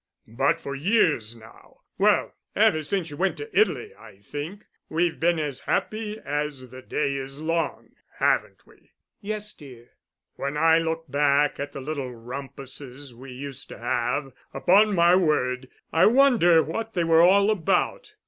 But for years now well, ever since you went to Italy, I think, we've been as happy as the day is long, haven't we?" "Yes, dear." "When I look back at the little rumpuses we used to have, upon my word, I wonder what they were all about."